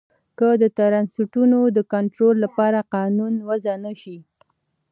که د ټرسټونو د کنترول لپاره قانون وضعه نه شي.